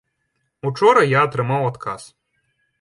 Учора я атрымаў адказ.